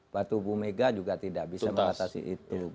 batu bumega juga tidak bisa melatasi itu